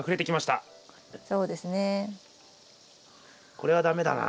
これは駄目だな。